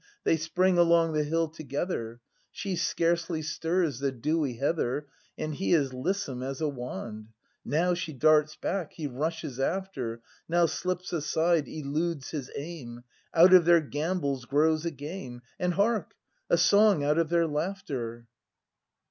They spring along the hill together. She scarcely stirs the dewy heather. And he is lissome as a wand. Now she darts back, he rushes after. Now slips aside, eludes his aim, — Out of their gambols grows a game ! And hark, a song out of their laughter!